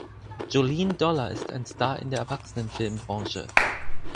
Jolene Dollar ist ein Star in der Erwachsenenfilmbranche.